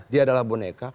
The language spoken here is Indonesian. dia adalah boneka